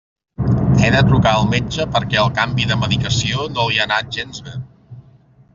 He de trucar al metge perquè el canvi de medicació no li ha anat gens bé.